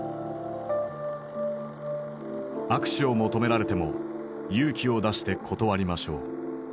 「握手を求められても勇気を出して断りましょう。